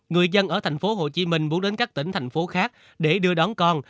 người dân ở tp hcm muốn đến các tỉnh thành phố khác để đưa đón con